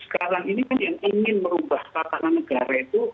sekarang ini kan yang ingin merubah tatanan negara itu